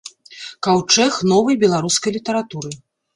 Каўчэг новай беларускай літаратуры.